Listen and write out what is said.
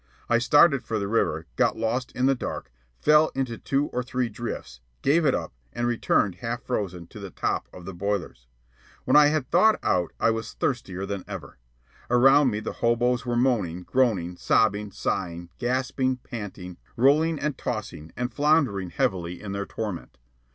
I started for the river, got lost in the dark, fell into two or three drifts, gave it up, and returned half frozen to the top of the boilers. When I had thawed out, I was thirstier than ever. Around me the hoboes were moaning, groaning, sobbing, sighing, gasping, panting, rolling and tossing and floundering heavily in their torment.